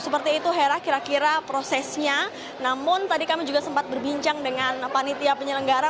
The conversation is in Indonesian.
seperti itu hera kira kira prosesnya namun tadi kami juga sempat berbincang dengan panitia penyelenggara